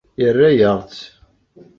Yerra-yaɣ-tt.